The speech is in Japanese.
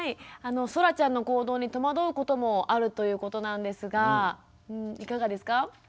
そらちゃんの行動に戸惑うこともあるということなんですがいかがですか？